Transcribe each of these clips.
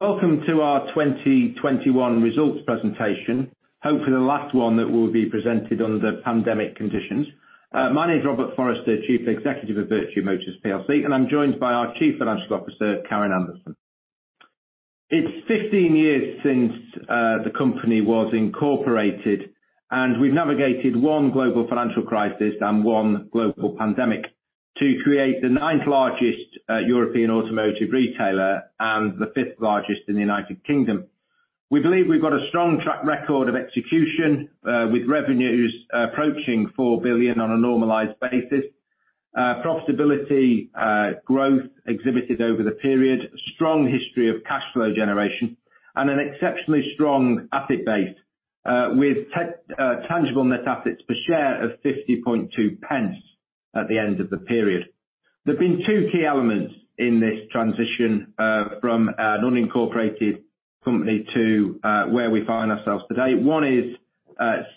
Welcome to our 2021 results presentation, hopefully the last one that will be presented under pandemic conditions. My name is Robert Forrester, Chief Executive of Vertu Motors plc, and I'm joined by our Chief Financial Officer, Karen Anderson. It's 15 years since the company was incorporated, and we've navigated one global financial crisis and one global pandemic to create the ninth-largest European automotive retailer and the fifth largest in the United Kingdom. We believe we've got a strong track record of execution, with revenues approaching 4 billion on a normalized basis, profitability growth exhibited over the period, strong history of cash flow generation, and an exceptionally strong asset base with tangible net assets per share of 0.502 at the end of the period. There have been two key elements in this transition from an unincorporated company to where we find ourselves today. One is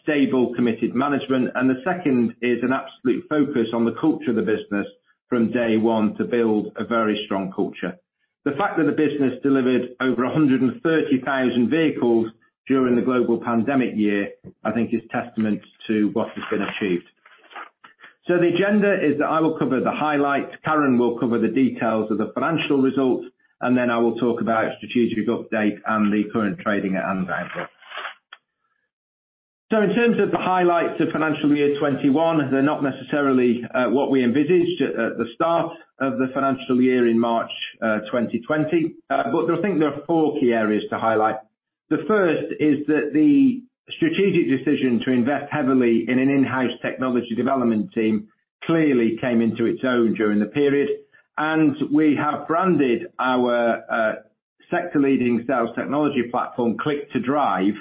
stable, committed management, the second is an absolute focus on the culture of the business from day one to build a very strong culture. The fact that the business delivered over 130,000 vehicles during the global pandemic year, I think is testament to what has been achieved. The agenda is that I will cover the highlights, Karen will cover the details of the financial results, and then I will talk about strategic update and the current trading outlook. In terms of the highlights of financial year 2021, they're not necessarily what we envisaged at the start of the financial year in March 2020, but I think there are four key areas to highlight. The first is that the strategic decision to invest heavily in an in-house technology development team clearly came into its own during the period, and we have branded our sector-leading sales technology platform Click2Drive,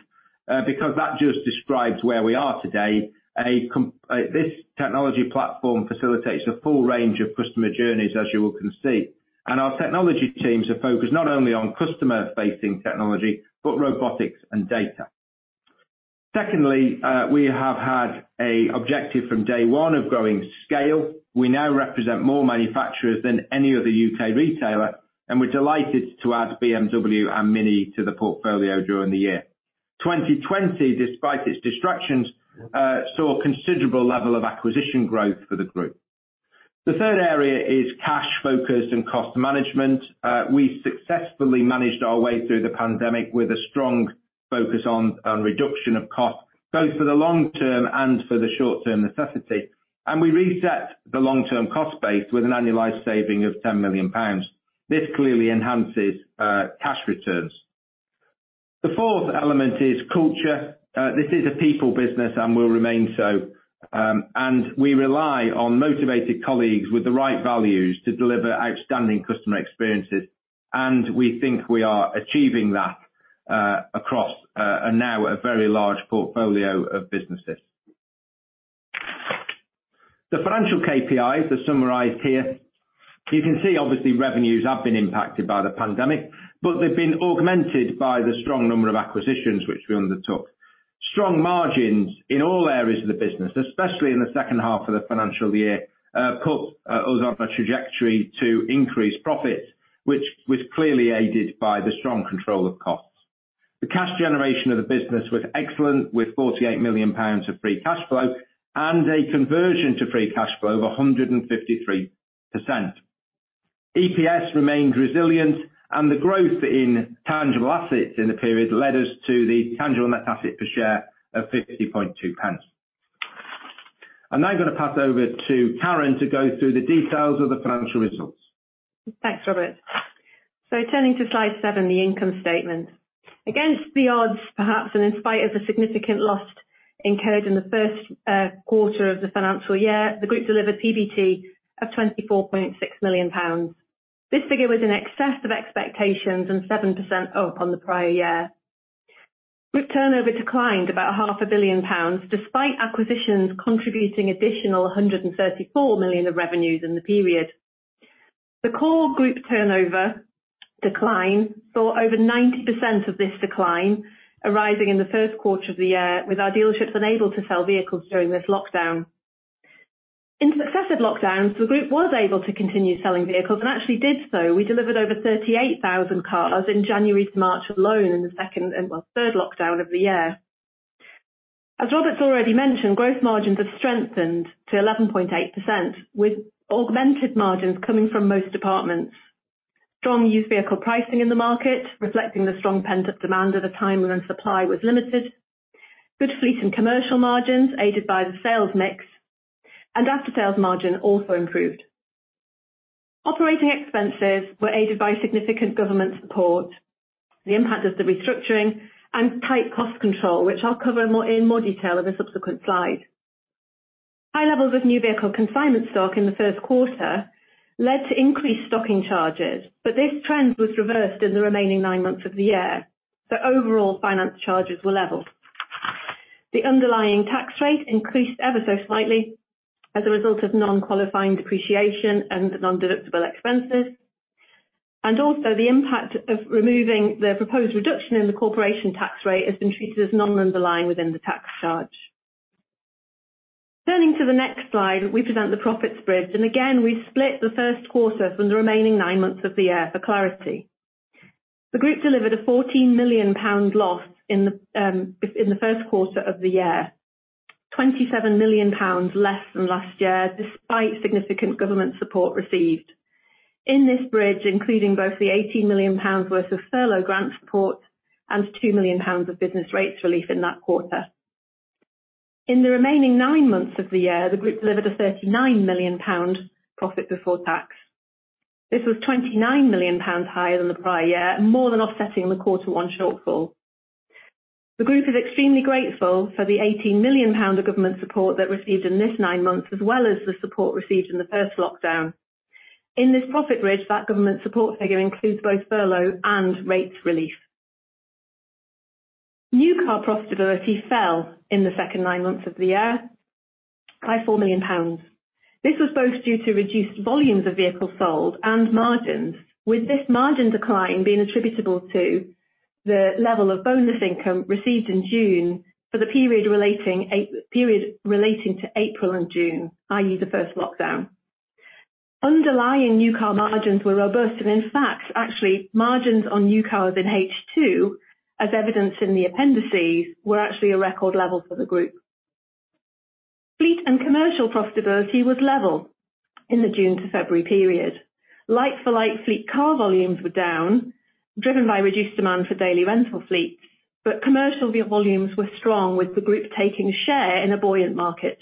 because that just describes where we are today. This technology platform facilitates a full range of customer journeys, as you can see, and our technology teams are focused not only on customer-facing technology, but robotics and data. Secondly, we have had a objective from day one of growing scale. We now represent more manufacturers than any other U.K. retailer, and we're delighted to add BMW and MINI to the portfolio during the year. 2020, despite its distractions, saw considerable level of acquisition growth for the group. The third area is cash focus and cost management. We successfully managed our way through the pandemic with a strong focus on reduction of cost, both for the long-term and for the short-term necessity. We reset the long-term cost base with an annualized saving of 10 million pounds. This clearly enhances cash returns. The fourth element is culture. This is a people business and will remain so. We rely on motivated colleagues with the right values to deliver outstanding customer experiences, and we think we are achieving that across, now, a very large portfolio of businesses. The financial KPIs are summarized here. You can see, obviously, revenues have been impacted by the pandemic, but they've been augmented by the strong number of acquisitions which we undertook. Strong margins in all areas of the business, especially in the second half of the financial year, put us on a trajectory to increase profits, which was clearly aided by the strong control of costs. The cash generation of the business was excellent, with 48 million pounds of free cash flow and a conversion to free cash flow of 153%. EPS remained resilient, and the growth in tangible assets in the period led us to the tangible net asset per share of 0.502. I'm now going to pass over to Karen to go through the details of the financial results. Thanks, Robert. Turning to slide seven, the income statement. Against the odds, perhaps, and in spite of the significant loss incurred in the first quarter of the financial year, the group delivered PBT of 24.6 million pounds. This figure was in excess of expectations and 7% up on the prior year. Group turnover declined about 0.5 billion pounds, despite acquisitions contributing additional 134 million of revenues in the period. The core group turnover decline saw over 90% of this decline arising in the first quarter of the year, with our dealerships unable to sell vehicles during this lockdown. In successive lockdowns, the group was able to continue selling vehicles and actually did so. We delivered over 38,000 cars in January to March alone in the third lockdown of the year. As Robert's already mentioned, gross margins have strengthened to 11.8%, with augmented margins coming from most departments. Strong used vehicle pricing in the market, reflecting the strong pent-up demand at a time when supply was limited, good fleet and commercial margins aided by the sales mix, and after-sales margin also improved. Operating expenses were aided by significant government support, the impact of the restructuring, and tight cost control, which I'll cover in more detail in a subsequent slide. High levels of new vehicle consignment stock in the first quarter led to increased stocking charges, but this trend was reversed in the remaining 9 months of the year. Overall, finance charges were level. The underlying tax rate increased ever so slightly as a result of non-qualifying depreciation and non-deductible expenses. Also the impact of removing the proposed reduction in the corporation tax rate has been treated as non-underlying within the tax charge. Turning to the next slide, we develop the profit bridge, and again, we split the first quarter from the remaining nine months of the year for clarity. The group delivered a 14 million pound loss in the first quarter of the year, 27 million pounds less than last year, despite significant government support received. In this bridge, including both the 18 million pounds worth of furlough grant support and 2 millions pounds of business rates relief in that quarter. In the remaining 9 months of the year, the group delivered a 39 million pound profit before tax. This was 29 million pounds higher than the prior year, more than offsetting the quarter one shortfall. The group is extremely grateful for the 18 million pound government support they received in this 9 month, as well as the support received in the first lockdown. In this profit bridge, that government support figure includes both furlough and rates relief. New car profitability fell in the second 9 months of the year by 4 million pounds. This was both due to reduced volumes of vehicles sold and margins, with this margin decline being attributable to the level of bonus income received in June for the period relating to April and June, i.e., the first lockdown. Underlying new car margins were robust, and in fact, actually, margins on new cars in H2, as evidenced in the appendices, were actually a record level for the group. Fleet and commercial profitability was level in the June to February period. Like-for-like fleet car volumes were down, driven by reduced demand for daily rental fleets, but commercial volumes were strong with the group taking share in a buoyant market.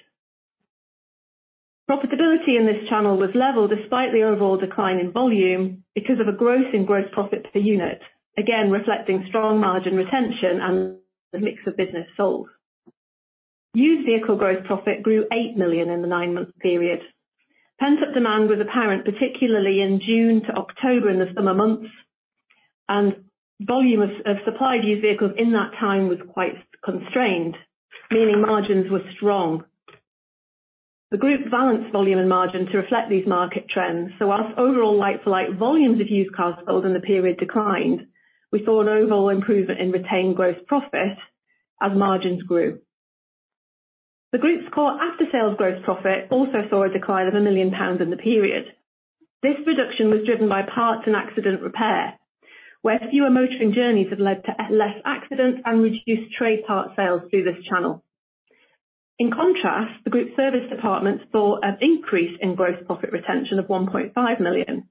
Profitability in this channel was level despite the overall decline in volume because of a growth in gross profit per unit, again, reflecting strong margin retention and the mix of business sold. Used vehicle gross profit grew 8 million in the 9 month period. Pent-up demand was apparent particularly in June to October in the summer months, and volume of supply of used vehicles in that time was quite constrained, meaning margins were strong. The group balanced volume and margin to reflect these market trends. Whilst overall like-for-like volumes of used cars sold in the period declined, we saw an overall improvement in retained gross profit as margins grew. The group's core after-sales gross profit also saw a decline of 1 million pounds in the period. This reduction was driven by parts and accident repair, where fewer motoring journeys had led to less accidents and reduced trade part sales through this channel. In contrast, the group's service departments saw an increase in gross profit retention of 1.5 million.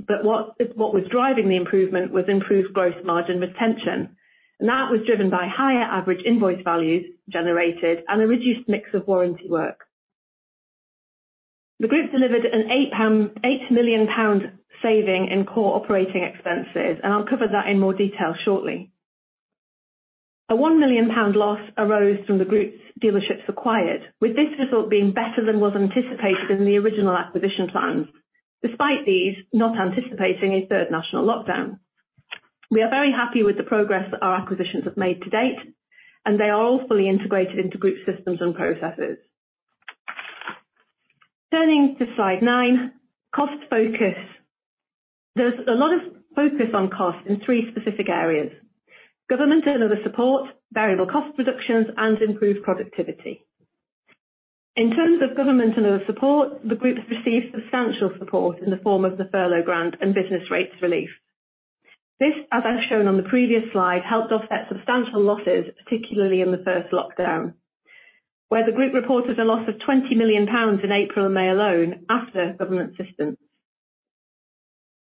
Like-for-like service revenues were up ever so slightly, what was driving the improvement was improved gross margin retention. That was driven by higher average invoice values generated and a reduced mix of warranty work. The group delivered a 8 million pound saving in core operating expenses, and I'll cover that in more detail shortly. A 1 million pound loss arose from the group's dealerships acquired, with this result being better than was anticipated in the original acquisition plans, despite these not anticipating a third national lockdown. We are very happy with the progress that our acquisitions have made to date. They are all fully integrated into group systems and processes. Turning to slide nine, cost focus. There's a lot of focus on cost in three specific areas: government and other support, variable cost reductions, and improved productivity. In terms of government and other support, the group has received substantial support in the form of the furlough grant and business rates relief. This, as I've shown on the previous slide, helped offset substantial losses, particularly in the first lockdown, where the group reported a loss of 20 million pounds in April and May alone after government assistance.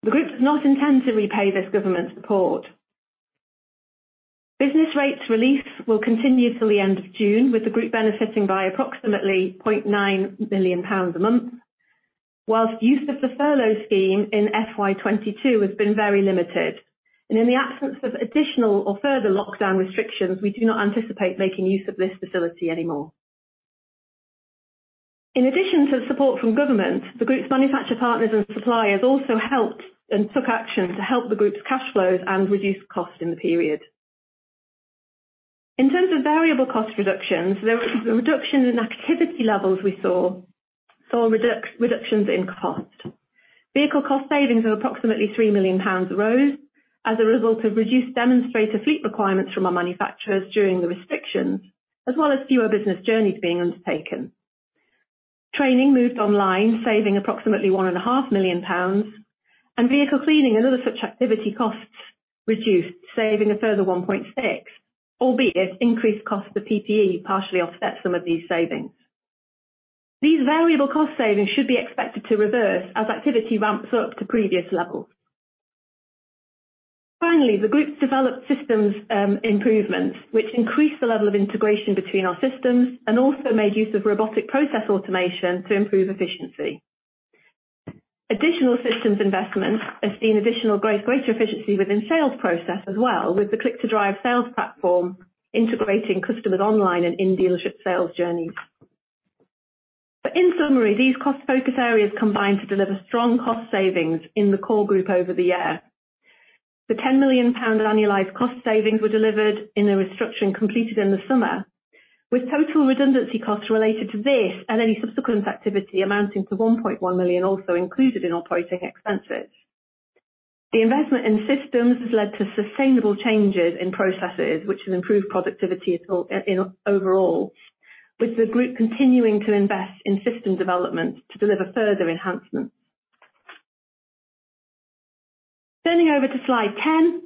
The group does not intend to repay this government support. Business rates relief will continue till the end of June, with the group benefiting by approximately 0.9 million pounds a month, whilst use of the furlough scheme in FY 2022 has been very limited. In the absence of additional or further lockdown restrictions, we do not anticipate making use of this facility anymore. In addition to support from government, the group's manufacturer partners and suppliers also helped and took action to help the group's cash flows and reduce costs in the period. In terms of variable cost reductions, the reduction in activity levels we saw reductions in costs. Vehicle cost savings of approximately 3 million pounds arose as a result of reduced demonstrator fleet requirements from our manufacturers during the restrictions, as well as fewer business journeys being undertaken. Training moved online, saving approximately 1.5 million pounds, vehicle cleaning and other such activity costs reduced, saving a further 1.6 million, albeit increased cost of PPE partially offset some of these savings. These variable cost savings should be expected to reverse as activity ramps up to previous levels. Finally, the group developed systems improvements, which increased the level of integration between our systems and also made use of robotic process automation to improve efficiency. Additional systems investments have seen additional great efficiency within sales process as well, with the Click2Drive sales platform integrating customers' online and in-dealership sales journeys. In summary, these cost focus areas combined to deliver strong cost savings in the core group over the year. The 10 million pound annualized cost savings were delivered in a restructuring completed in the summer, with total redundancy costs related to this and any subsequent activity amounting to 1.1 million also included in operating expenses. The investment in systems has led to sustainable changes in processes, which has improved productivity overall, with the group continuing to invest in system development to deliver further enhancements. Turning over to slide 10,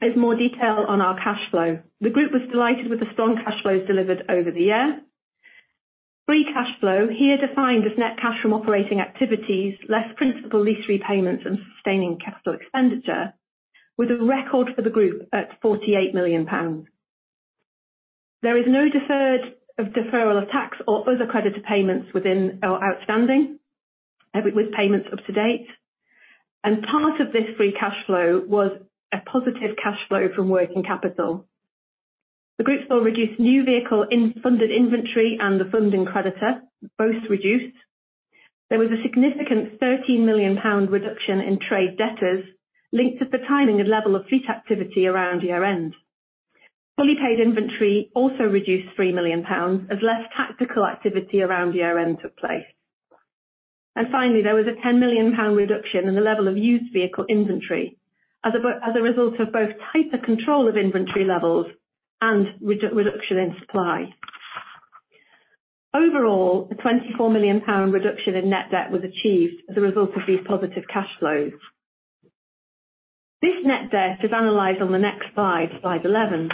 is more detail on our cash flow. The group was delighted with the strong cash flows delivered over the year. Free cash flow, here defined as net cash from operating activities, less principal lease repayments and sustaining capital expenditure, with a record for the group at 48 million pounds. There is no deferral of tax or other creditor payments within our outstanding, with payments up to date. Part of this free cash flow was a positive cash flow from working capital. The group saw reduced new vehicle in funded inventory and the funding creditor, both reduced. There was a significant GBP 13 million reduction in trade debtors, linked to the timing and level of fleet activity around year-end. Fully paid inventory also reduced 3 million pounds, as less tactical activity around year-end took place. Finally, there was a 10 million pound reduction in the level of used vehicle inventory, as a result of both tighter control of inventory levels and reduction in supply. Overall, a 24 million pound reduction in net debt was achieved as a result of these positive cash flows. This net debt is analyzed on the next slide 11.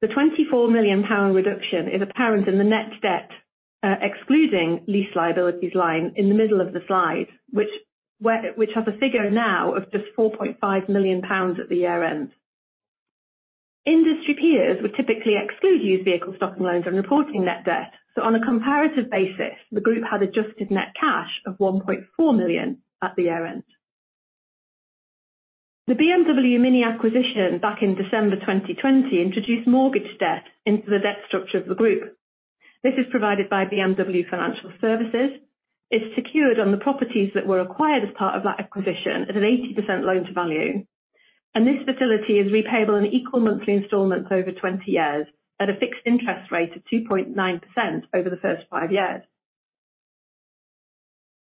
The 24 million pound reduction is apparent in the net debt, excluding lease liabilities line in the middle of the slide, which has a figure now of just 4.5 million pounds at the year-end. Industry peers would typically exclude used vehicle stocking loans on reporting net debt. On a comparative basis, the group had adjusted net cash of 1.4 million at the year-end. The BMW MINI acquisition back in December 2020 introduced mortgage debt into the debt structure of the group. This is provided by BMW Financial Services. It's secured on the properties that were acquired as part of that acquisition at an 80% loan-to-value. This facility is repayable in equal monthly installments over 20 years at a fixed interest rate of 2.9% over the first 5 years.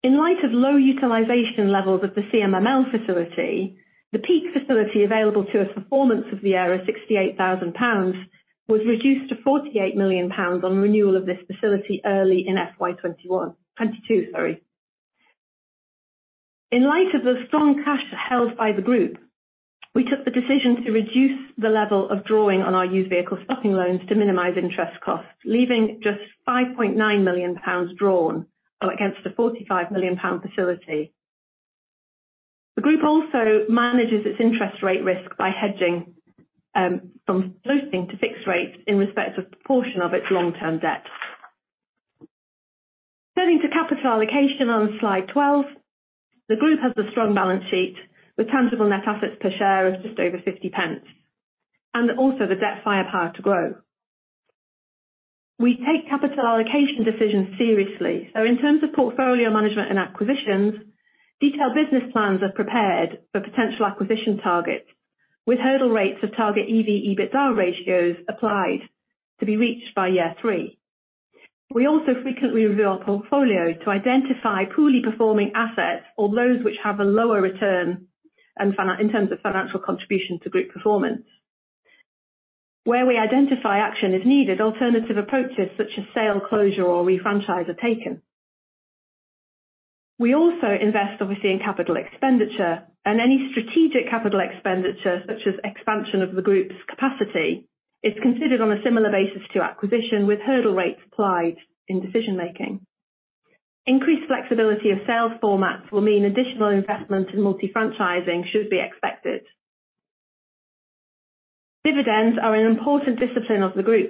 In light of low utilization levels of the RCF facility, the peak facility available to us for the performance of the year of 68,000 pounds was reduced to 48 million pounds on renewal of this facility early in FY 2021, FY 2022, sorry. In light of the strong cash held by the group, we took the decision to reduce the level of drawing on our used vehicle stocking loans to minimize interest costs, leaving just 5.9 million pounds drawn against a 45 million pound facility. The group also manages its interest rate risk by hedging from floating to fixed rates in respect of proportion of its long-term debt. Turning to capital allocation on slide 12. The group has a strong balance sheet with tangible net assets per share of just over 0.50. Also, the debt firepower to grow. We take capital allocation decisions seriously. In terms of portfolio management and acquisitions, detailed business plans are prepared for potential acquisition targets, with hurdle rates of target EV/EBITDA ratios applied to be reached by year three. We also frequently review our portfolio to identify poorly performing assets or those which have a lower return in terms of financial contribution to group performance. Where we identify action is needed, alternative approaches such as sale, closure, or refranchise are taken. We also invest, obviously, in capital expenditure and any strategic capital expenditure, such as expansion of the group's capacity, is considered on a similar basis to acquisition, with hurdle rates applied in decision-making. Increased flexibility of sales formats will mean additional investment in multi-franchising should be expected. Dividends are an important discipline of the group.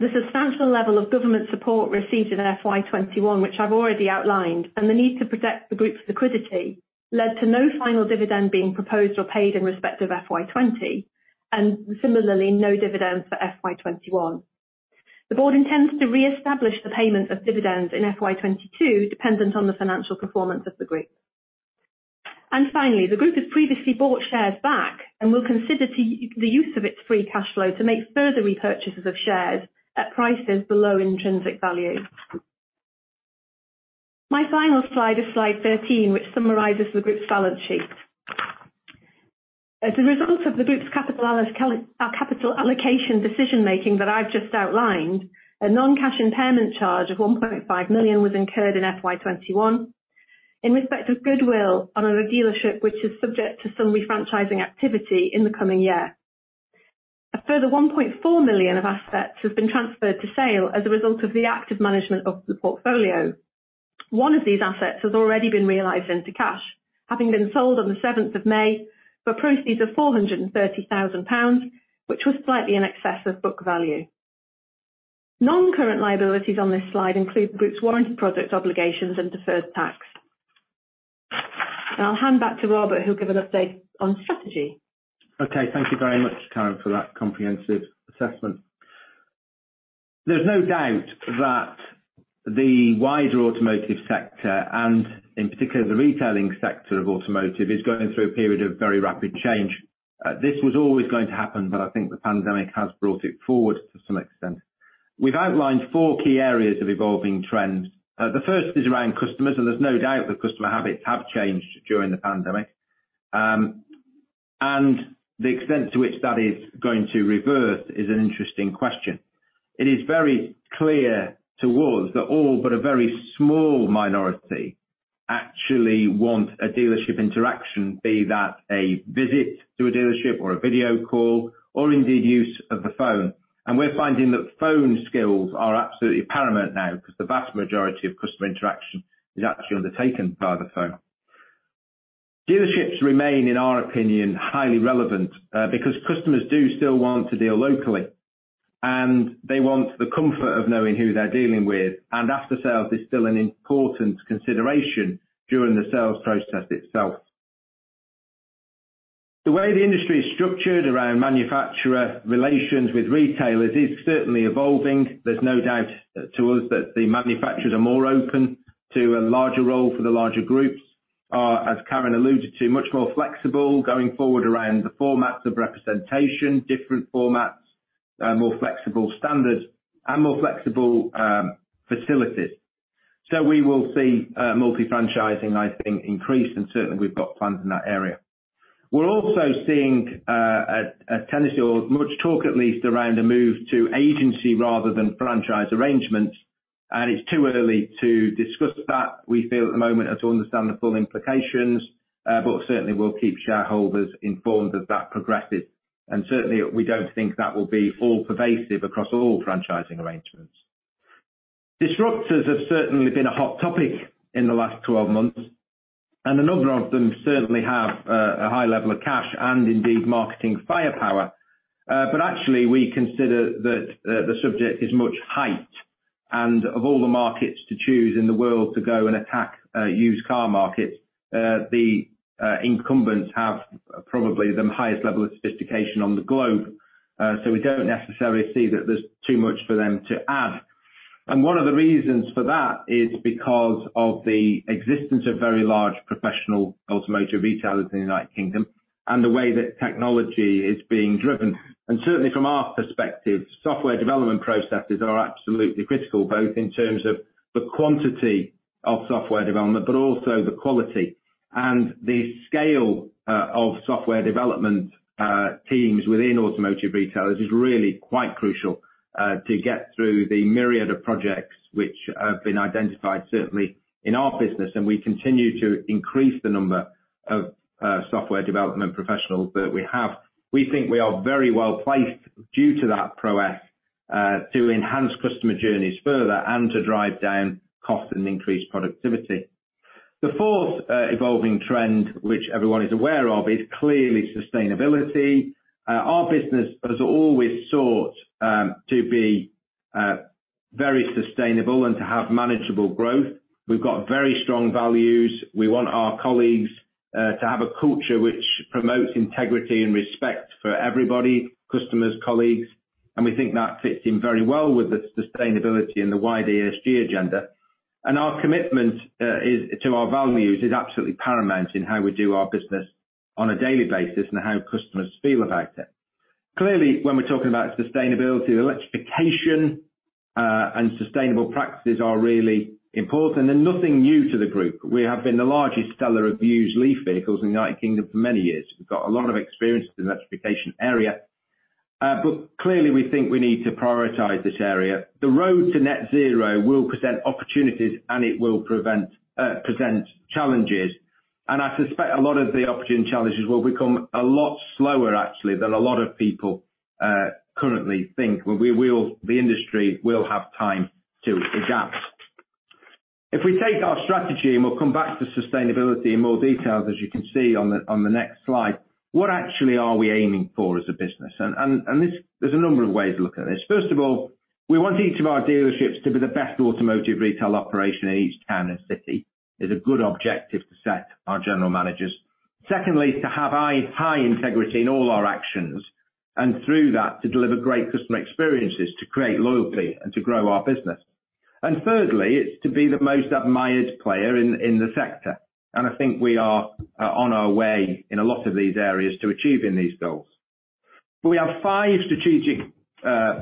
The substantial level of government support received in FY 2021, which I've already outlined, and the need to protect the group's liquidity, led to no final dividend being proposed or paid in respect of FY 2020, and similarly, no dividends for FY 2021. The board intends to reestablish the payment of dividends in FY 2022, dependent on the financial performance of the group. Finally, the group has previously bought shares back and will consider the use of its free cash flow to make further repurchases of shares at prices below intrinsic value. My final slide is slide 13, which summarizes the group's balance sheet. As a result of the group's capital allocation decision-making that I've just outlined, a non-cash impairment charge of 1.5 million was incurred in FY 2021 in respect of goodwill on a dealership which is subject to some refranchising activity in the coming year. A further 1.4 million of assets has been transferred to sale as a result of the active management of the portfolio. One of these assets has already been realized into cash, having been sold on the 7th of May for proceeds of 430,000 pounds, which was slightly in excess of book value. Non-current liabilities on this slide include the group's warranty project obligations and deferred tax. I'll hand back to Robert, who'll give an update on strategy. Okay. Thank you very much, Karen, for that comprehensive assessment. There's no doubt that the wider automotive sector, and in particular, the retailing sector of automotive, is going through a period of very rapid change. This was always going to happen, but I think the pandemic has brought it forward to some extent. We've outlined four key areas of evolving trends. The first is around customers, there's no doubt that customer habits have changed during the pandemic. The extent to which that is going to reverse is an interesting question. It is very clear to us that all but a very small minority actually want a dealership interaction, be that a visit to a dealership or a video call, or indeed use of the phone. We're finding that phone skills are absolutely paramount now because the vast majority of customer interaction is actually undertaken by the phone. Dealerships remain, in our opinion, highly relevant because customers do still want to deal locally, and they want the comfort of knowing who they're dealing with, and after sales is still an important consideration during the sales process itself. The way the industry is structured around manufacturer relations with retailers is certainly evolving. There's no doubt to us that the manufacturers are more open to a larger role for the larger groups. As Karen alluded to, much more flexible going forward around the formats of representation, different formats, more flexible standards, and more flexible facilities. We will see multi-franchising, I think, increase, and certainly we've got plans in that area. We're also seeing a tendency or much talk, at least, around a move to agency rather than franchise arrangements, and it's too early to discuss that. We feel at the moment, as to understand the full implications, but certainly we'll keep shareholders informed as that progresses. Certainly, we don't think that will be all pervasive across all franchising arrangements. Disruptors have certainly been a hot topic in the last 12 months, and a number of them certainly have a high level of cash and indeed marketing firepower. Actually, we consider that the subject is much hype and of all the markets to choose in the world to go and attack used car markets, the incumbents have probably the highest level of sophistication on the globe. We don't necessarily see that there's too much for them to add. One of the reasons for that is because of the existence of very large professional automotive retailers in the United Kingdom and the way that technology is being driven. Certainly, from our perspective, software development processes are absolutely critical, both in terms of the quantity of software development, but also the quality. The scale of software development teams within automotive retailers is really quite crucial, to get through the myriad of projects which have been identified, certainly in our business. We continue to increase the number of software development professionals that we have. We think we are very well placed due to that prowess, to enhance customer journeys further and to drive down cost and increase productivity. The fourth evolving trend, which everyone is aware of, is clearly sustainability. Our business has always sought to be very sustainable and to have manageable growth. We've got very strong values. We want our colleagues to have a culture which promotes integrity and respect for everybody, customers, colleagues, we think that fits in very well with the sustainability and the wider ESG agenda. Our commitment to our values is absolutely paramount in how we do our business on a daily basis and how customers feel about it. Clearly, when we're talking about sustainability, electrification, and sustainable practices are really important and nothing new to the group. We have been the largest seller of used LEAF vehicles in the United Kingdom for many years. We've got a lot of experience in the electrification area. Clearly, we think we need to prioritize this area. The road to net zero will present opportunities and it will present challenges. I suspect a lot of the opportunity challenges will become a lot slower, actually, than a lot of people currently think, where the industry will have time to adapt. If we take our strategy, and we'll come back to sustainability in more detail, as you can see on the next slide, what actually are we aiming for as a business? There's a number of ways to look at this. First of all, we want each of our dealerships to be the best automotive retail operation in each town and city. It's a good objective to set our general managers. Secondly, is to have high integrity in all our actions, and through that, to deliver great customer experiences, to create loyalty and to grow our business. Thirdly, it's to be the most admired player in the sector. I think we are on our way in a lot of these areas to achieving these goals. We have five strategic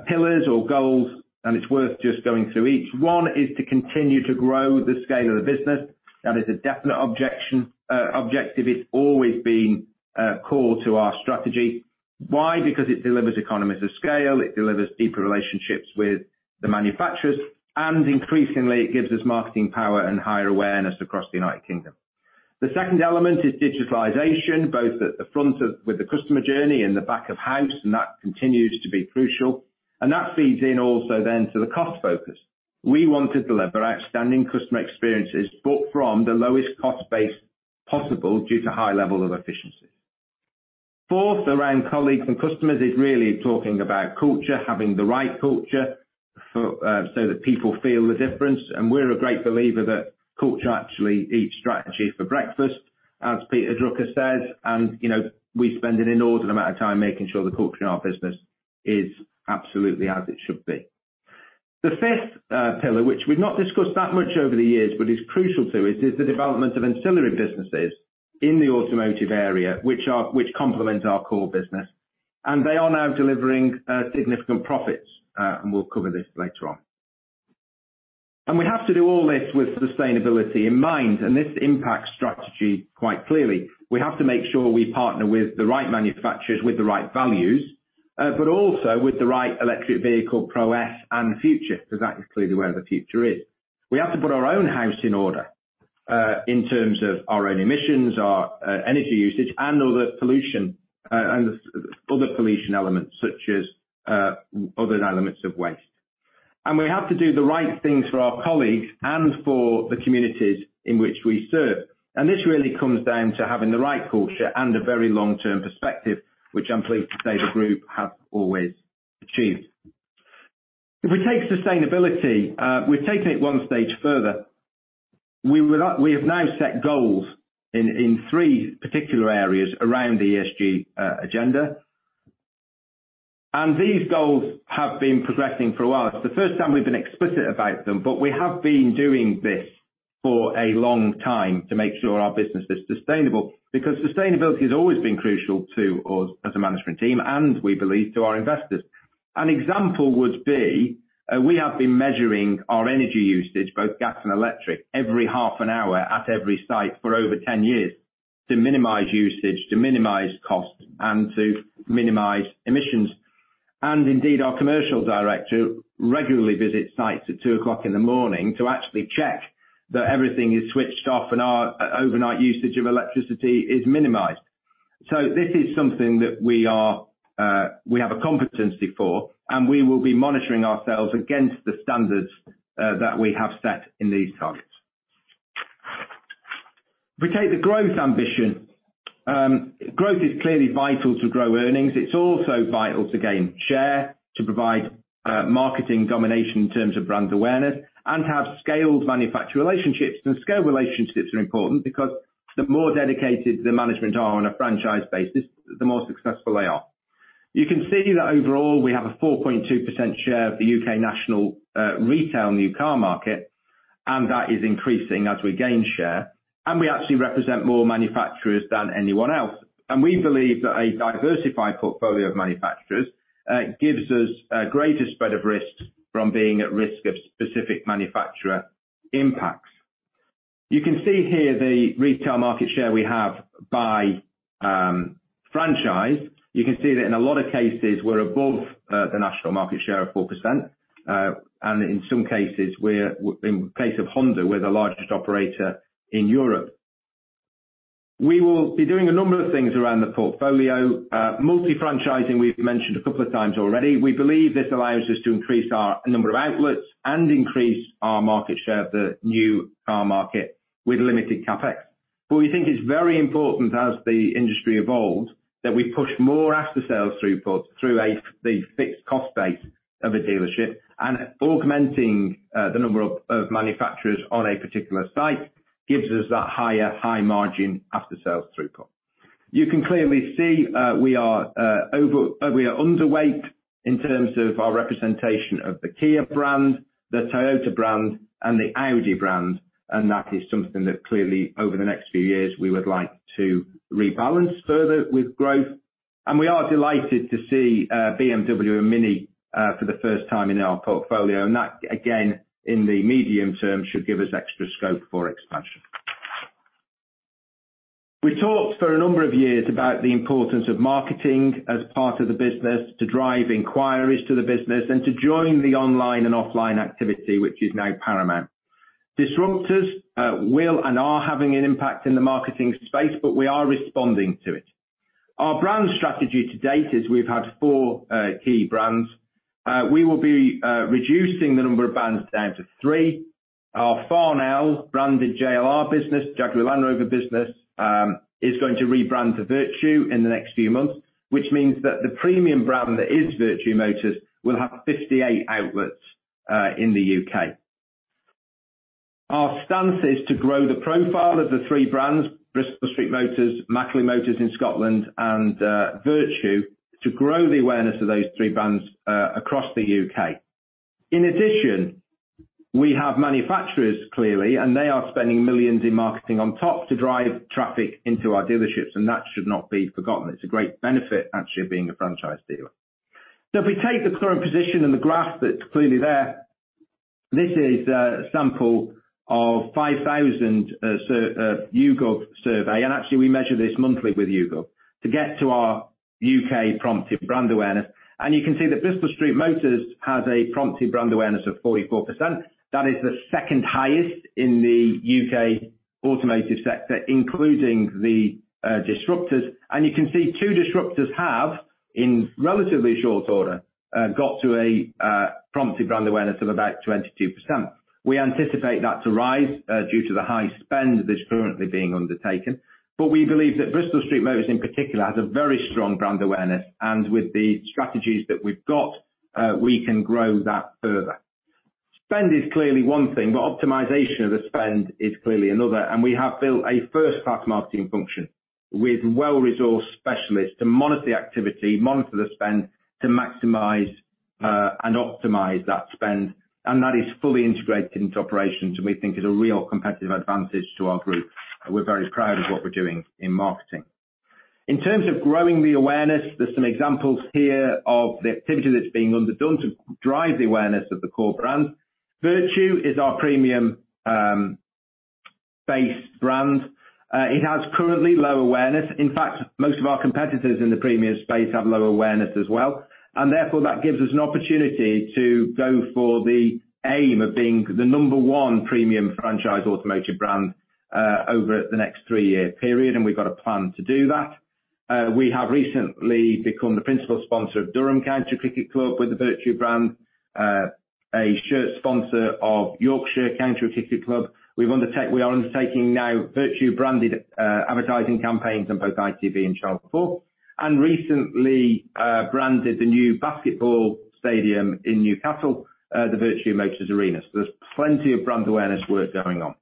pillars or goals, and it's worth just going through each. One is to continue to grow the scale of the business. That is a definite objective. It's always been core to our strategy. Why? Because it delivers economies of scale, it delivers deeper relationships with the manufacturers. Increasingly, it gives us marketing power and higher awareness across the United Kingdom. The second element is digitalization, both at the front with the customer journey and the back of house. That continues to be crucial. That feeds in also then to the cost focus. We want to deliver outstanding customer experiences, but from the lowest cost base possible due to high level of efficiencies. Fourth, around colleagues and customers, is really talking about culture, having the right culture, so that people feel the difference. We're a great believer that culture actually eats strategy for breakfast, as Peter Drucker says, and we spend an inordinate amount of time making sure the culture in our business is absolutely as it should be. The fifth pillar, which we've not discussed that much over the years, but is crucial to it, is the development of ancillary businesses. In the automotive area, which complement our core business, they are now delivering significant profits. We'll cover this later on. We have to do all this with sustainability in mind, and this impacts strategy quite clearly. We have to make sure we partner with the right manufacturers with the right values, also with the right electric vehicle prowess and future, because that is clearly where the future is. We have to put our own house in order, in terms of our own emissions, our energy usage, and other pollution elements, such as other elements of waste. We have to do the right things for our colleagues and for the communities in which we serve. This really comes down to having the right culture and a very long-term perspective, which I'm pleased to say the group have always achieved. If we take sustainability, we've taken it one stage further. We have now set goals in three particular areas around the ESG agenda, these goals have been progressing for a while. It's the first time we've been explicit about them, but we have been doing this for a long time to make sure our business is sustainable, because sustainability has always been crucial to us as a management team and we believe to our investors. An example would be, we have been measuring our energy usage, both gas and electric, every half an hour at every site for over 10 years to minimize usage, to minimize costs, and to minimize emissions. Indeed, our commercial director regularly visits sites at 2 o'clock in the morning to actually check that everything is switched off and our overnight usage of electricity is minimized. This is something that we have a competency for, and we will be monitoring ourselves against the standards that we have set in these targets. If we take the growth ambition, growth is clearly vital to grow earnings. It's also vital to gain share, to provide marketing domination in terms of brand awareness, and have scaled manufacturer relationships. Scale relationships are important because the more dedicated the management are on a franchise basis, the more successful they are. You can see that overall, we have a 4.2% share of the U.K. national retail new car market, that is increasing as we gain share. We actually represent more manufacturers than anyone else. We believe that a diversified portfolio of manufacturers gives us a greater spread of risk from being at risk of specific manufacturer impacts. You can see here the retail market share we have by franchise. You can see that in a lot of cases we're above the national market share of 4%, in some cases we're, in place of Honda, we're the largest operator in Europe. We will be doing a number of things around the portfolio. multi-franchising, we've mentioned a couple of times already. We believe this allows us to increase our number of outlets and increase our market share of the new car market with limited CapEx. We think it's very important as the industry evolves, that we push more after-sales throughput through the fixed cost base of a dealership, and augmenting the number of manufacturers on a particular site gives us that higher high margin after-sales throughput. You can clearly see we are underweight in terms of our representation of the Kia brand, the Toyota brand, and the Audi brand, and that is something that clearly over the next few years, we would like to rebalance further with growth. We are delighted to see BMW and MINI for the first time in our portfolio, and that again, in the medium term, should give us extra scope for expansion. We talked for a number of years about the importance of marketing as part of the business to drive inquiries to the business and to join the online and offline activity, which is now paramount. Disruptors will and are having an impact in the marketing space, but we are responding to it. Our brand strategy to date is we've had four key brands. We will be reducing the number of brands down to three. Our Farnell-branded JLR business, Jaguar Land Rover business, is going to rebrand to Vertu in the next few months, which means that the premium brand that is Vertu Motors will have 58 outlets in the U.K. Our stance is to grow the profile of the three brands, Bristol Street Motors, Macklin Motors in Scotland, and Vertu, to grow the awareness of those three brands across the U.K. In addition, we have manufacturers clearly, and they are spending millions in marketing on top to drive traffic into our dealerships, and that should not be forgotten. It's a great benefit actually being a franchise dealer. If we take the current position in the graph that's clearly there, this is a sample of 5,000 YouGov survey, and actually we measure this monthly with YouGov to get to our U.K. prompted brand awareness. You can see that Bristol Street Motors has a prompted brand awareness of 44%. That is the second highest in the U.K. automotive sector, including the disruptors. You can see two disruptors have, in relatively short order, got to a prompted brand awareness of about 22%. We anticipate that to rise due to the high spend that's currently being undertaken. We believe that Bristol Street Motors in particular has a very strong brand awareness, and with the strategies that we've got, we can grow that further. Spend is clearly one thing, but optimization of the spend is clearly another. We have built a first-class marketing function with well-resourced specialists to monitor the activity, monitor the spend to maximize and optimize that spend. That is fully integrated into operations, and we think is a real competitive advantage to our group, and we're very proud of what we're doing in marketing. In terms of growing the awareness, there's some examples here of the activity that's being done to drive the awareness of the core brand. Vertu is our premium-based brand. It has currently low awareness. In fact, most of our competitors in the premium space have low awareness as well, and therefore, that gives us an opportunity to go for the aim of being the number one premium franchise automotive brand over the next 3-year period, and we've got a plan to do that. We have recently become the principal sponsor of Durham County Cricket Club with the Vertu brand, a shirt sponsor of Yorkshire County Cricket Club. We are undertaking now Vertu-branded advertising campaigns on both ITV and Channel 4, and recently branded the new basketball stadium in Newcastle, the Vertu Motors Arena. There's plenty of brand awareness work going on.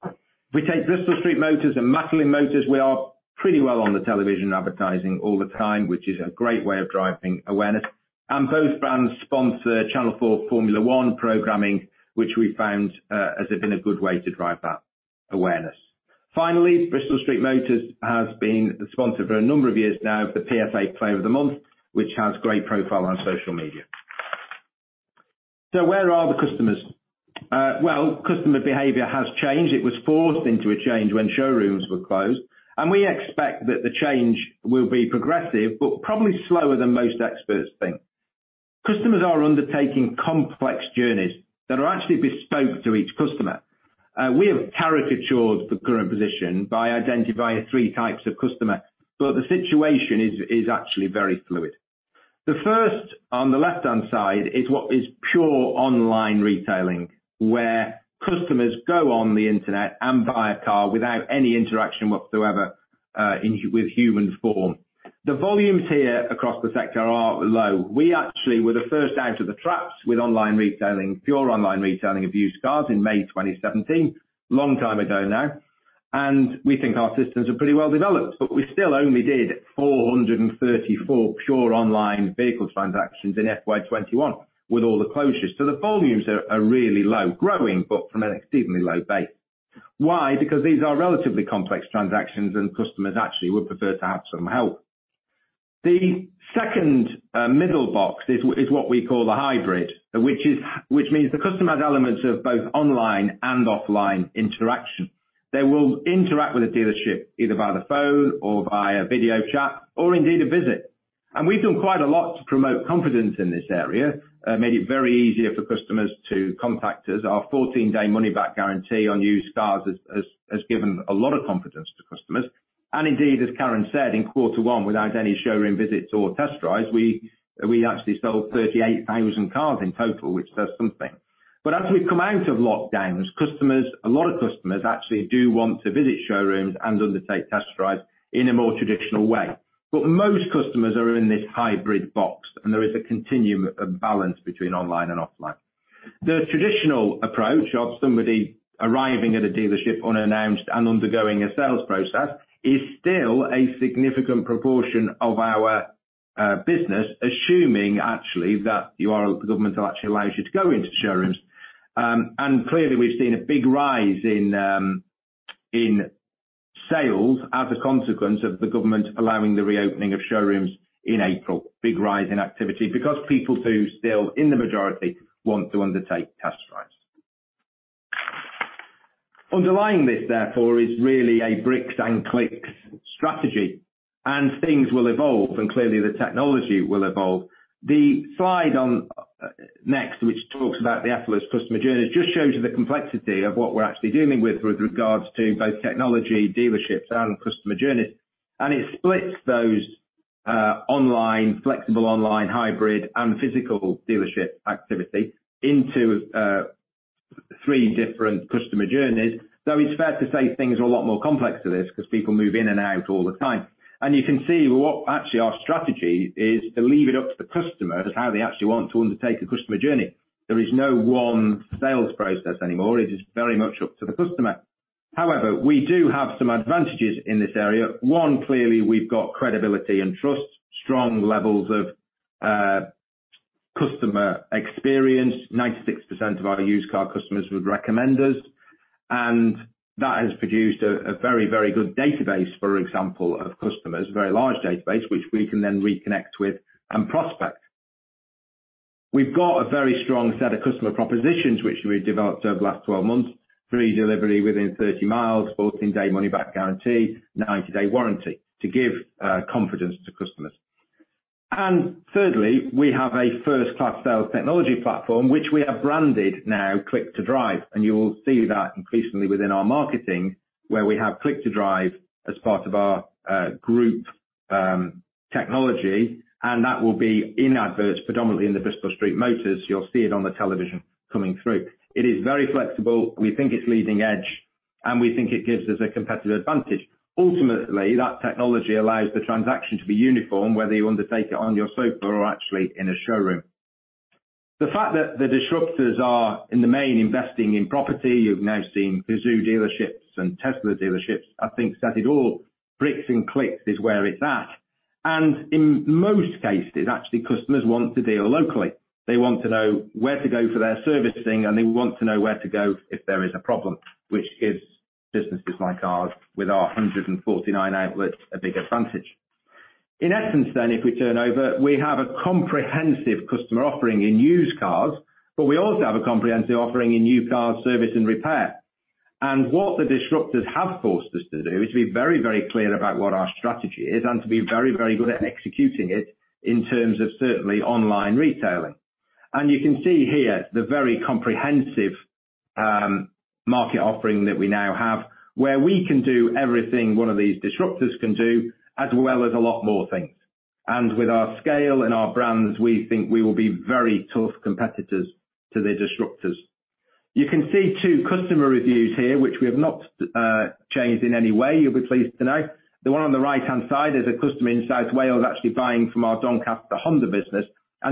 If we take Bristol Street Motors and Macklin Motors, we are pretty well on the television advertising all the time, which is a great way of driving awareness. Both brands sponsor Channel 4 Formula 1 programming, which we found has been a good way to drive that awareness. Finally, Bristol Street Motors has been the sponsor for a number of years now of the PFA Player of the Month, which has great profile on social media. Where are the customers? Customer behavior has changed. It was forced into a change when showrooms were closed, and we expect that the change will be progressive, but probably slower than most experts think. Customers are undertaking complex journeys that are actually bespoke to each customer. We have caricatured the current position by identifying three types of customer, but the situation is actually very fluid. The first, on the left-hand side, is what is pure online retailing, where customers go on the internet and buy a car without any interaction whatsoever with human form. The volumes here across the sector are low. We actually were the first out of the traps with online retailing, pure online retailing of used cars in May 2017. Long time ago now, and we think our systems are pretty well developed, but we still only did 434 pure online vehicle transactions in FY 2021, with all the closures. The volumes are really low, growing, but from an exceedingly low base. Why? Because these are relatively complex transactions and customers actually would prefer to have some help. The second, middle box is what we call the hybrid, which means the customer has elements of both online and offline interaction. They will interact with a dealership either via the phone or via video chat or indeed a visit. We've done quite a lot to promote confidence in this area, made it very easier for customers to contact us. Our 14-day money-back guarantee on used cars has given a lot of confidence to customers. Indeed, as Karen said, in quarter one, without any showroom visits or test drives, we actually sold 38,000 cars in total, which says something. As we've come out of lockdowns, a lot of customers actually do want to visit showrooms and undertake test drives in a more traditional way. Most customers are in this hybrid box, and there is a continuum of balance between online and offline. The traditional approach of somebody arriving at a dealership unannounced and undergoing a sales process is still a significant proportion of our business, assuming actually, that the government actually allows you to go into showrooms. Clearly, we've seen a big rise in sales as a consequence of the government allowing the reopening of showrooms in April. Big rise in activity because people do still, in the majority, want to undertake test drives. Underlying this, therefore, is really a bricks and clicks strategy, and things will evolve and clearly the technology will evolve. The slide on next, which talks about the effortless customer journey, just shows you the complexity of what we're actually dealing with regards to both technology, dealerships, and customer journeys. It splits those online, flexible online, hybrid, and physical dealership activity into three different customer journeys, though it's fair to say things are a lot more complex to this because people move in and out all the time. You can see what actually our strategy is to leave it up to the customer as how they actually want to undertake a customer journey. There is no one sales process anymore. It is very much up to the customer. However, we do have some advantages in this area. One, clearly, we've got credibility and trust, strong levels of customer experience. 96% of our used car customers would recommend us, and that has produced a very, very good database, for example, of customers, a very large database, which we can then reconnect with and prospect. We've got a very strong set of customer propositions, which we developed over the last 12 months. Free delivery within 30 miles, 14-day money-back guarantee, 90-day warranty, to give confidence to customers. Thirdly, we have a first-class sales technology platform, which we have branded now Click2Drive, and you will see that increasingly within our marketing where we have Click2Drive as part of our group technology, and that will be in adverts predominantly in the Bristol Street Motors. You'll see it on the television coming through. It is very flexible. We think it's leading edge, and we think it gives us a competitive advantage. Ultimately, that technology allows the transaction to be uniform, whether you undertake it on your sofa or actually in a showroom. The fact that the disruptors are, in the main, investing in property, you've now seen Cazoo dealerships and Tesla dealerships. I think that it all, bricks and clicks is where it's at. In most cases, actually, customers want to deal locally. They want to know where to go for their servicing, and they want to know where to go if there is a problem, which gives businesses like ours, with our 149 outlets, a big advantage. In essence, if we turn over, we have a comprehensive customer offering in used cars, but we also have a comprehensive offering in new cars, service, and repair. What the disruptors have forced us to do is to be very, very clear about what our strategy is and to be very, very good at executing it in terms of certainly online retailing. You can see here the very comprehensive market offering that we now have, where we can do everything one of these disruptors can do, as well as a lot more things. With our scale and our brands, we think we will be very tough competitors to the disruptors. You can see two customer reviews here, which we have not changed in any way, you'll be pleased to know. The one on the right-hand side is a customer in South Wales actually buying from our Doncaster Honda business.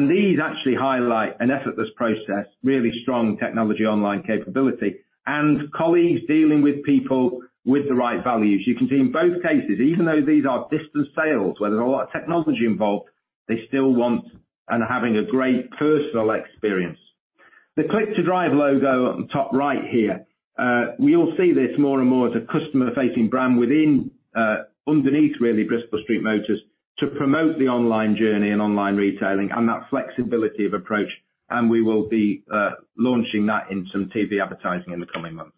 These actually highlight an effortless process, really strong technology online capability, and colleagues dealing with people with the right values. You can see in both cases, even though these are distance sales, where there's a lot of technology involved, they still want and are having a great personal experience. The Click2Drive logo on the top right here, we all see this more and more as a customer-facing brand within, underneath really Bristol Street Motors to promote the online journey and online retailing and that flexibility of approach, and we will be launching that in some TV advertising in the coming months.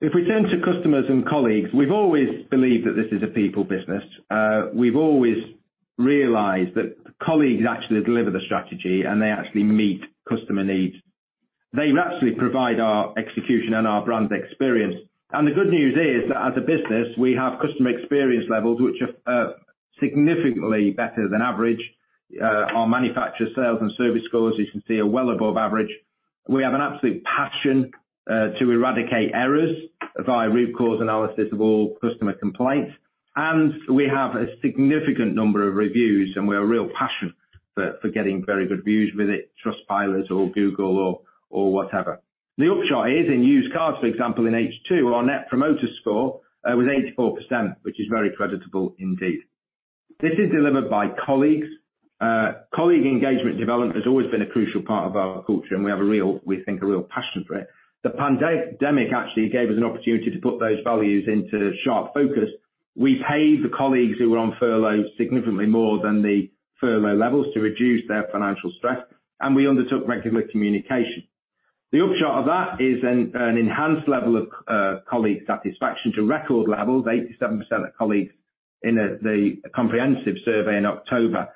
If we turn to customers and colleagues, we've always believed that this is a people business. We've always realized that colleagues actually deliver the strategy, and they actually meet customer needs. They actually provide our execution and our brand experience. The good news is that as a business, we have customer experience levels which are significantly better than average. Our manufacturer sales and service scores, you can see, are well above average. We have an absolute passion to eradicate errors via root cause analysis of all customer complaints. We have a significant number of reviews, and we have real passion for getting very good reviews with it, Trustpilot or Google or whatever. The upshot is in used cars, for example, in H2, our Net Promoter Score was 84%, which is very creditable indeed. This is delivered by colleagues. Colleague engagement development has always been a crucial part of our culture, and we have, we think, a real passion for it. The pandemic actually gave us an opportunity to put those values into sharp focus. We paid the colleagues who were on furlough significantly more than the furlough levels to reduce their financial stress, and we undertook regular communication. The upshot of that is an enhanced level of colleague satisfaction to record levels. 87% of colleagues in the comprehensive survey in October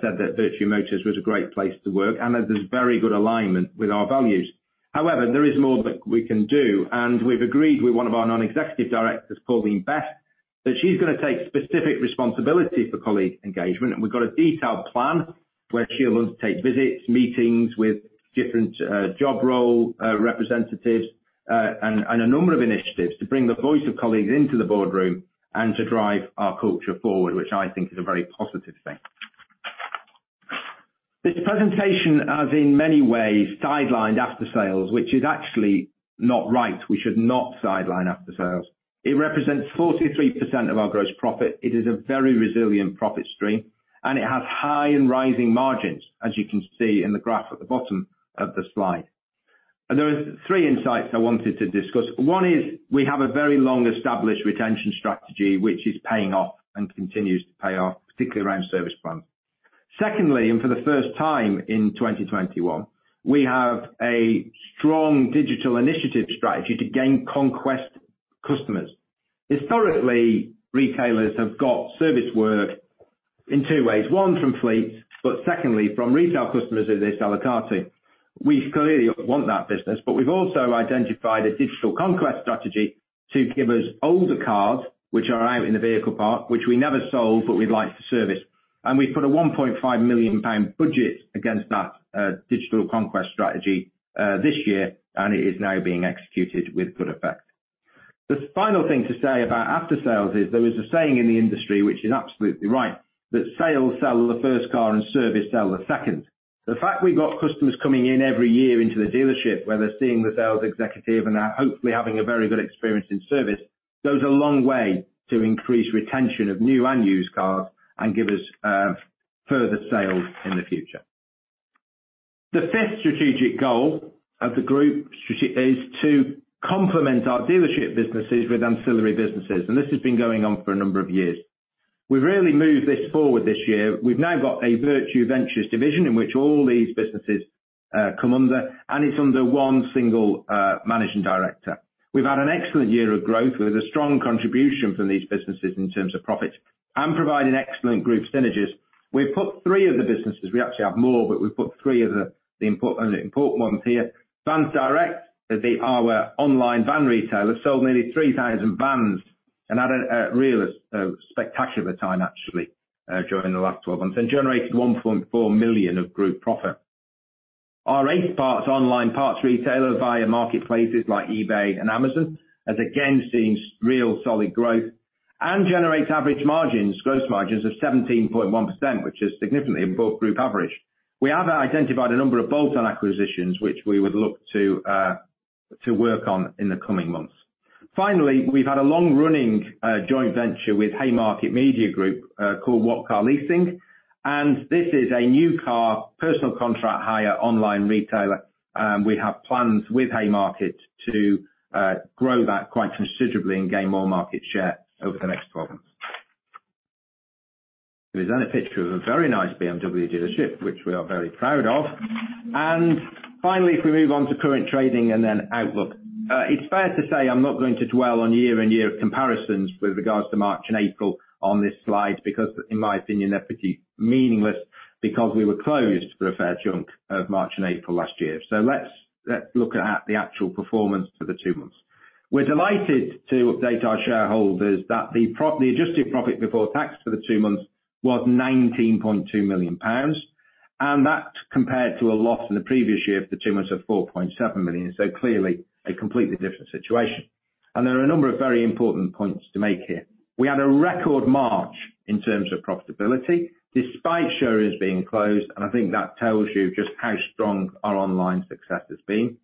said that Vertu Motors was a great place to work and that there's very good alignment with our values. However, there is more that we can do, and we've agreed with one of our non-executive directors, Pauline Best, that she's going to take specific responsibility for colleague engagement. We've got a detailed plan where she will undertake visits, meetings with different job role representatives, and a number of initiatives to bring the voice of colleagues into the boardroom and to drive our culture forward, which I think is a very positive thing. This presentation has in many ways sidelined after sales, which is actually not right. We should not sideline after sales. It represents 43% of our gross profit. It is a very resilient profit stream, and it has high and rising margins, as you can see in the graph at the bottom of the slide. There are three insights I wanted to discuss. One is we have a very long-established retention strategy, which is paying off and continues to pay off, particularly around service plans. Secondly, and for the first time in 2021, we have a strong digital initiative strategy to gain conquest customers. Historically, retailers have got service work in two ways, one from fleets, but secondly, from retail customers who they sell a car to. We clearly want that business, but we've also identified a digital conquest strategy to give us older cars, which are out in the vehicle parc, which we never sold, but we'd like to service. We've put a 1.5 million pound budget against that digital conquest strategy this year, and it is now being executed with good effect. The final thing to say about after sales is there is a saying in the industry, which is absolutely right, that sales sell the first car and service sell the second. The fact we've got customers coming in every year into the dealership, where they're seeing the sales executive and are hopefully having a very good experience in service, goes a long way to increase retention of new and used cars and give us further sales in the future. The fifth strategic goal of the group is to complement our dealership businesses with ancillary businesses, and this has been going on for a number of years. We've really moved this forward this year. We've now got a Vertu Ventures division in which all these businesses come under. It's under one single managing director. We've had an excellent year of growth with a strong contribution from these businesses in terms of profits and providing excellent group synergies. We've put three of the businesses, we actually have more, but we've put three of the important ones here. VansDirect, our online van retailer, sold nearly 3,000 vans and had a real spectacular time actually during the last 12 months and generated 1.4 million of group profit. Our Aceparts online parts retailer via marketplaces like eBay and Amazon has again seen real solid growth and generates average margins, gross margins of 17.1%, which is significantly above group average. We have identified a number of bolt-on acquisitions, which we would look to work on in the coming months. We've had a long-running joint venture with Haymarket Media Group, called What Car Leasing, and this is a new car Personal Contract Hire online retailer. We have plans with Haymarket to grow that quite considerably and gain more market share over the next 12 months. There is a picture of a very nice BMW dealership, which we are very proud of. Finally, if we move on to current trading and then outlook. It's fair to say I'm not going to dwell on year-on-year comparisons with regards to March and April on this slide, because in my opinion, they're pretty meaningless, because we were closed for a fair chunk of March and April last year. Let's look at the actual performance for the two months. We're delighted to update our shareholders that the adjusted profit before tax for the two months was 19.2 million pounds, that compared to a loss in the previous year for the two months of 4.7 million. Clearly, a completely different situation. There are a number of very important points to make here. We had a record March in terms of profitability despite showrooms being closed, I think that tells you just how strong our online success has been.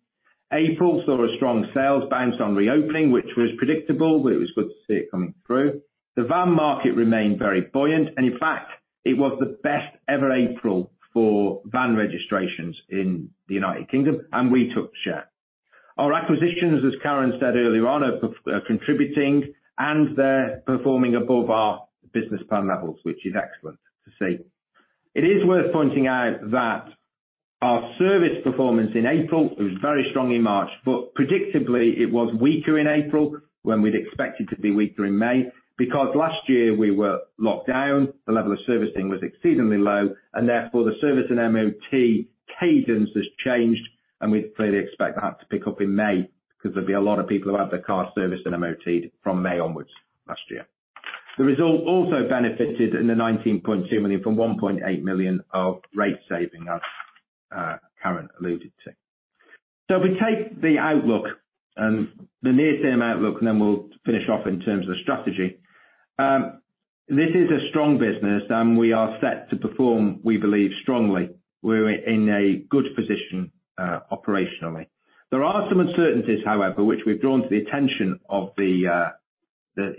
April saw a strong sales bounce on reopening, which was predictable, it was good to see it coming through. The van market remained very buoyant, in fact, it was the best ever April for van registrations in the United Kingdom, we took share. Our acquisitions, as Karen said earlier on, are contributing, they're performing above our business plan levels, which is excellent to see. It is worth pointing out that our service performance in April, it was very strong in March, but predictably it was weaker in April when we'd expect it to be weaker in May because last year we were locked down, the level of servicing was exceedingly low, and therefore the service and MOT cadence has changed, and we'd clearly expect that to pick up in May because there'd be a lot of people who had their car serviced and MOT'd from May onwards last year. The result also benefited in the 19.2 million from 1.8 million of rate saving, as Karen alluded to. If we take the outlook and the near-term outlook, and then we'll finish off in terms of the strategy. This is a strong business, and we are set to perform, we believe strongly. We're in a good position operationally. There are some uncertainties, however, which we've drawn to the attention of the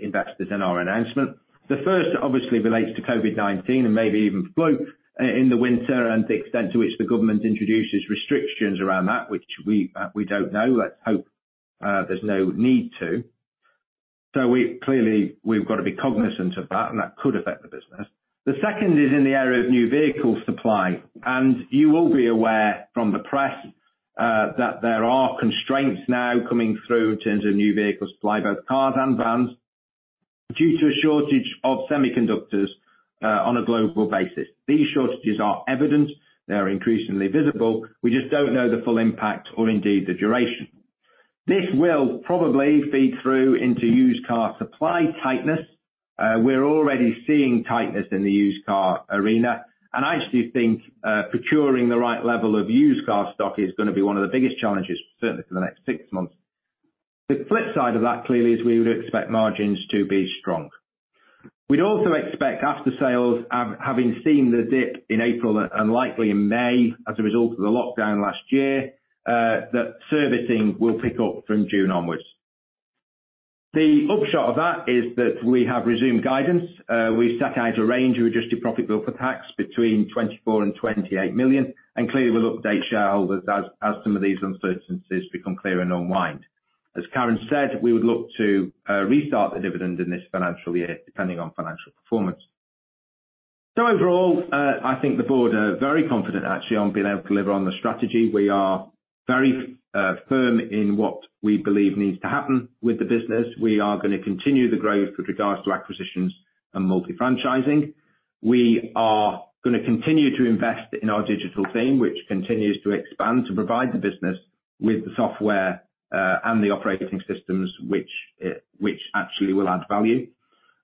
investors in our announcement. The first obviously relates to COVID-19 and maybe even flu in the winter, and the extent to which the government introduces restrictions around that, which we don't know. Let's hope there's no need to. Clearly, we've got to be cognizant of that, and that could affect the business. The second is in the area of new vehicle supply, and you will be aware from the press, that there are constraints now coming through in terms of new vehicle supply, both cars and vans, due to a shortage of semiconductors on a global basis. These shortages are evident. They are increasingly visible. We just don't know the full impact or indeed the duration. This will probably feed through into used car supply tightness. We're already seeing tightness in the used car arena, and I actually think procuring the right level of used car stock is going to be one of the biggest challenges, certainly for the next six months. The flip side of that, clearly, is we would expect margins to be strong. We'd also expect aftersales, having seen the dip in April and likely in May as a result of the lockdown last year, that servicing will pick up from June onwards. The upshot of that is that we have resumed guidance. We set out a range of adjusted profit before tax between 24 million and 28 million, and clearly we'll update shareholders as some of these uncertainties become clear and unwind. As Karen said, we would look to restart the dividend in this financial year, depending on financial performance. Overall, I think the board are very confident actually on being able to deliver on the strategy. We are very firm in what we believe needs to happen with the business. We are going to continue the growth with regards to acquisitions and multi-franchising. We are going to continue to invest in our digital team, which continues to expand to provide the business with the software and the operating systems, which actually will add value.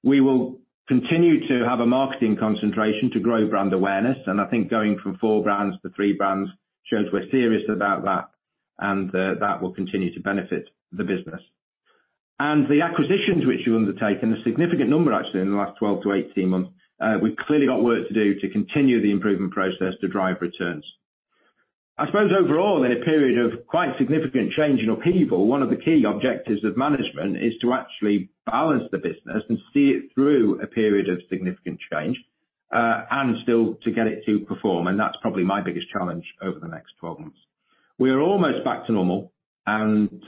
We will continue to have a marketing concentration to grow brand awareness, and I think going from four brands to three brands shows we're serious about that, and that will continue to benefit the business. The acquisitions which we've undertaken, a significant number actually in the last 12 months to 18 months, we've clearly got work to do to continue the improvement process to drive returns. I suppose overall, in a period of quite significant change and upheaval, one of the key objectives of management is to actually balance the business and see it through a period of significant change, and still to get it to perform, and that's probably my biggest challenge over the next 12 months. We are almost back to normal, and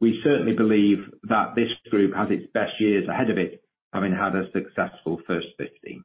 we certainly believe that this group has its best years ahead of it, having had a successful first 15.